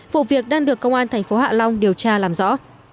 vụ việc đang được công an tp hạ long điều tra làm rõ